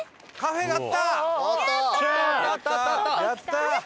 やったー！